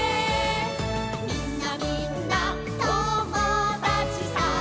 「みんなみんな友だちさ」